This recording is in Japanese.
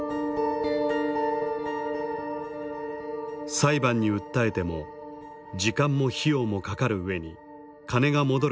裁判に訴えても時間も費用もかかる上に金が戻る保証もない。